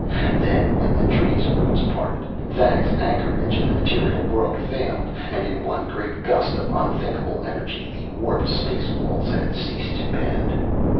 Then when the Tree's roots parted, Thag's anchorage in the material world failed and in one great gust of unthinkable energy the warped space walls had ceased to bend.